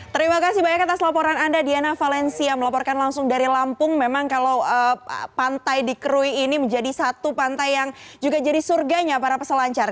terima kasih banyak atas laporan anda diana valencia melaporkan langsung dari lampung memang kalau pantai di krui ini menjadi satu pantai yang juga jadi surganya para peselancar